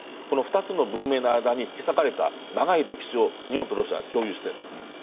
この２つの文明の間に引き裂かれた長い歴史を日本とロシアは共有しているんです。